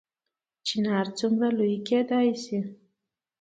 چنار څومره لوی کیدی شي؟